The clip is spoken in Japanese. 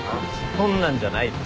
そんなんじゃないって。